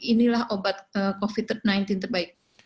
inilah obat covid sembilan belas terbaik